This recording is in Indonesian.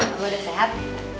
kamu udah sehat